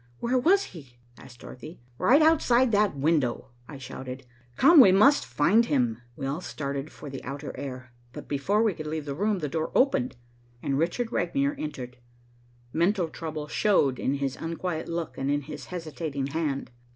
"Where was he?" asked Dorothy. "Right outside that window!" I shouted. "Come, we must find him." We all started for the outer air, but before we could leave the room, the door opened and Richard Regnier entered. Mental trouble showed in his unquiet look and in his hesitating hand.